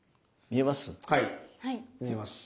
見えます？